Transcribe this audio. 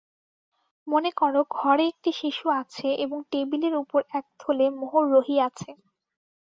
মনে কর ঘরে একটি শিশু আছে, এবং টেবিলের উপর এক থলে মোহর রহিয়াছে।